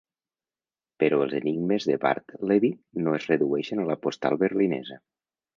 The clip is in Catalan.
Però els enigmes de Bartleby no es redueixen a la postal berlinesa.